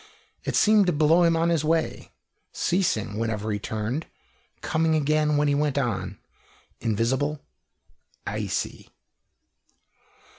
It seemed to blow him on his way, ceasing whenever he turned, coming again when he went on invisible, icy.